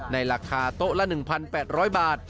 ในราคาโต๊ะละ๑๘๐๐บาท